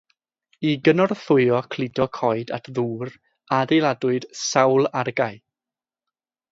I gynorthwyo cludo coed ar ddŵr, adeiladwyd sawl argae.